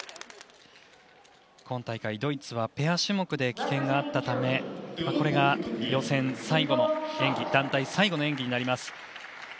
今大会ドイツはペア種目で棄権があったためこれが予選最後の団体最後の演技になります。